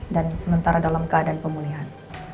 dan sementara dalam keadaan pemulihan